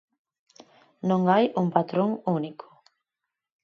Non hai un patrón único.